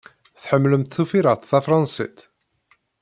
Tḥemmlemt tufiṛat tafṛansit?